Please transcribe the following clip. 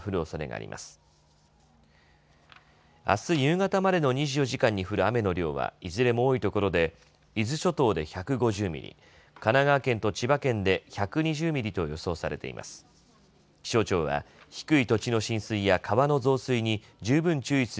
あす夕方までの２４時間に降る雨の量はいずれも多いところで伊豆諸島で１５０ミリ、神奈川県と千葉県で１２０ミリと予想されています。